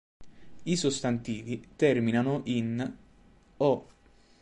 I sostantivi terminano in "-o".